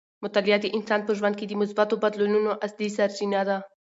مطالعه د انسان په ژوند کې د مثبتو بدلونونو اصلي سرچینه ده.